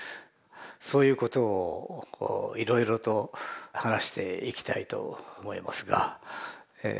そういうことをいろいろと話していきたいと思いますがえ